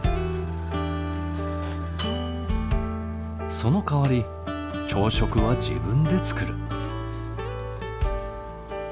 そのかわり朝食は自分で作る。